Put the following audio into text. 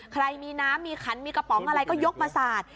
ใครมีน้ำมีขันมีกระป๋องอะไรก็ยกมาสาด